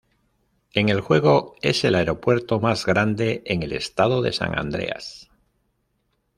En el juego, es el aeropuerto más grande en el estado de San Andreas.